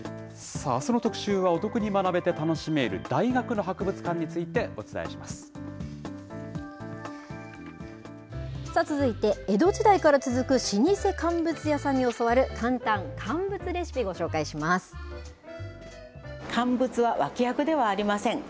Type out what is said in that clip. あすの特集は、お得に学べて楽しめる大学の博物館について、続いて、江戸時代から続く老舗乾物屋さんに教わる簡単乾物レシピ、ご紹介乾物は脇役ではありません。